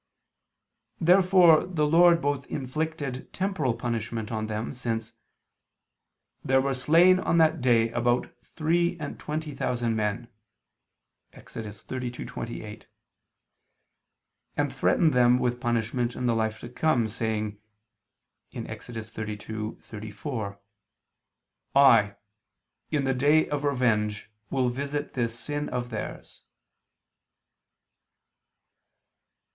Therefore the Lord both inflicted temporal punishment on them, since "there were slain on that day about three and twenty thousand men" (Ex. 32:28), and threatened them with punishment in the life to come, saying, (Ex. 32:34): "I, in the day of revenge, will visit this sin ... of theirs."